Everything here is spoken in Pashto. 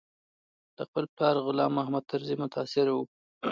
له خپل پلار غلام محمد طرزي متاثره و.